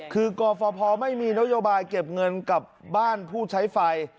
คือกรฟภไม่มีนโยบายเก็บเงินกับบ้านผู้ใช้ไฟ